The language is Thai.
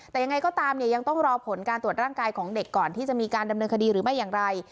แต่ยังไงก็ตามเนี่ยยังต้องรอผลการตรวจร่างกายของเด็กก่อนที่จะมีการดำเนินคดีหรือไม่อย่างไร